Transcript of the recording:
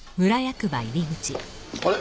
あれ？